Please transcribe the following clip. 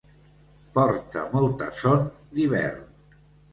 Porta molta son d'hivern.